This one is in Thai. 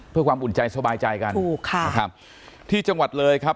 เพื่อความอุ่นใจสบายใจกันถูกค่ะนะครับที่จังหวัดเลยครับ